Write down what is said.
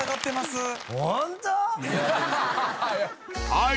はい。